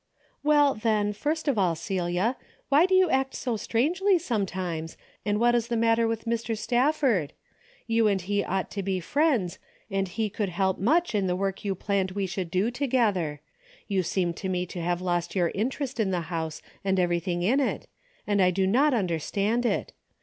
"Well then, first of all, Celia, why do you act so strangely sometimes, and what is the matter with Mr. Stafford ? You and he ought to be friends, and he could help much in the work you planned we should do together. You seem to me to have lost your interest in the house and everything in it, and I do not understand it.